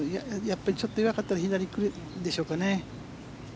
やっぱりちょっと弱かったら左に行くんでしょうかね。